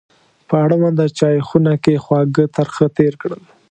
په اړونده چایخونه کې خواږه ترخه تېر کړل.